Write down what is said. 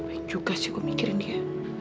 apa yang juga sih gue mikirin dia